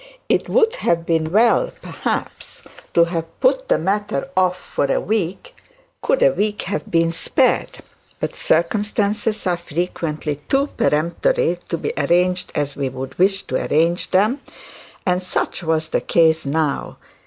It would have been well, perhaps, to have put the matter off for a week, could a week have been spared. But circumstances are frequently too peremptory to be arranged as we would wish to arrange them; and such was the case now.